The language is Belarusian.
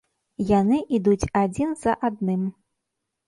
Яны ідуць адзін за адным.